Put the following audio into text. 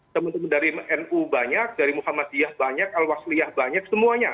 teman teman dari nu banyak dari muhammadiyah banyak al wasliyah banyak semuanya